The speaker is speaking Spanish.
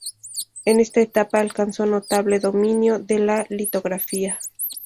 En esta etapa alcanzó notable dominio de la litografía.